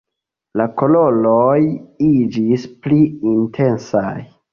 La koloroj iĝis pli intensaj.